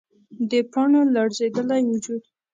د پاڼو لړزیدلی وجود